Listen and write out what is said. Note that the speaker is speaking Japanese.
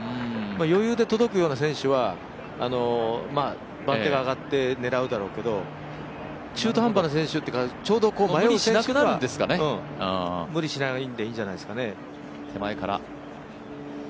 余裕で届くような選手は番手が上がって狙うだろうけど、中途半端の選手というかそういう選手は無理しないんでいいんじゃないですかね。